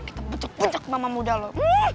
kita bucok bucok sama muda lo